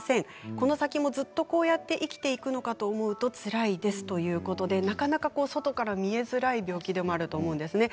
この先もずっとこうやって生きていくのかと思うとつらいですということで外からなかなか見えづらい病気でもあるんですね。